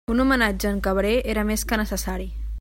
Un homenatge a en Cabré era més que necessari.